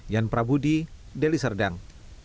yan prabudi deli serdang